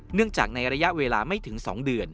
เนื่องจากในระยะเวลาไม่ถึง๒เดือน